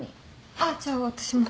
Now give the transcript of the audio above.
あっじゃあ私も。